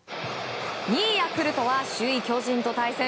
２位、ヤクルトは首位、巨人と対戦。